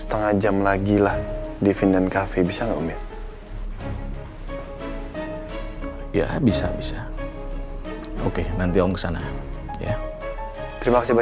setengah jam lagi lah di vinden cafe bisa ngomong ya bisa bisa oke nanti om sana ya terima kasih